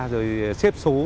rồi xếp số